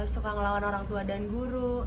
suka ngelawan orang tua dan guru